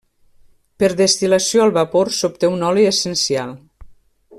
Per destil·lació al vapor s'obté un oli essencial.